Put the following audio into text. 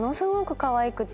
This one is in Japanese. かわいくて。